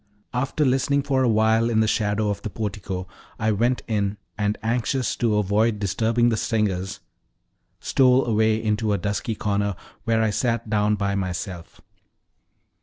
After listening for awhile in the shadow of the portico I went in, and, anxious to avoid disturbing the singers, stole away into a dusky corner, where I sat down by myself.